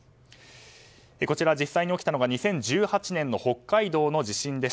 こちら実際に起きたのが２０１８年の北海道の地震。